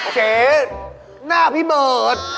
เจ๊หน้าพี่เบิร์ต